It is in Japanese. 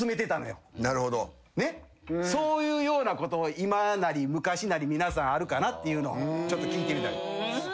そういうようなことを今なり昔なり皆さんあるかなっていうのをちょっと聞いてみたい。